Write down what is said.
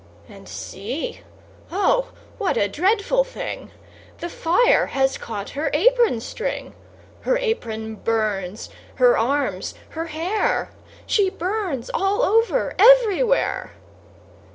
And see! oh, what dreadful thing! The fire has caught her apron string; Her apron burns, her arms, her hair She burns all over everywhere.